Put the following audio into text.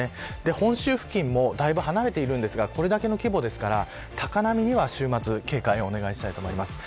本州付近もだいぶ離れているんですがこれだけの規模ですから高波には週末警戒をお願いします。